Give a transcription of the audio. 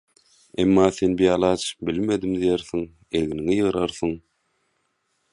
Emma sen bialaç: «Bilmedim» diýersiň, egniňi ýygyrarsyň.